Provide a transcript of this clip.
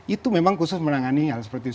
itu memang khusus menangani hal seperti itu